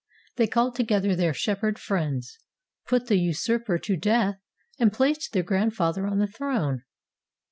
They called together their shepherd friends, put the usurper to death, and placed their grand father on the throne.